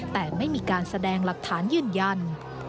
แต่ไม่มีการแสดงหลักฐานยืนยัน